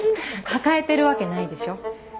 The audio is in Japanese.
抱えてるわけないでしょ。